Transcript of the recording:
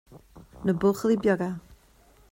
Na buachaillí beaga